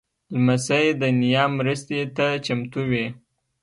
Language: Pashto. لمسی د نیا مرستې ته چمتو وي.